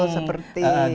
seperti ada layar gitu